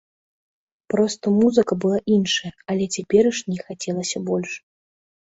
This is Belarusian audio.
Проста музыка была іншая, але цяперашняй хацелася больш.